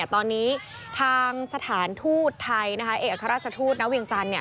ตอนนี้ทางสถานทูตไทยเอกราชทูตณเวียงจันทร์